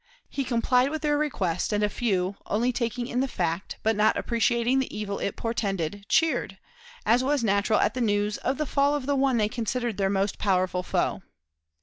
He complied with their request, and a few, only taking in the fact, but not appreciating the evil it portended, cheered, as was natural at news of the fall of one they considered their most powerful foe.